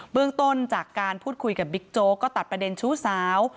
เรื่องต้นจากการพูดคุยกับบิ๊กโจ๊กก็ตัดประเด็นชู้สาว